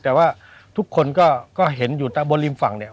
แต่ว่าทุกคนก็เห็นอยู่บนริมฝั่งเนี่ย